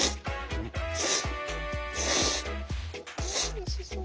おいしそう。